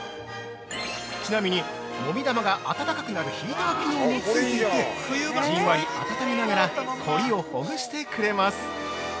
◆ちなみに、もみ玉が温かくなるヒーター機能も付いていて、じんわり温めながらコリをほぐしてくれます。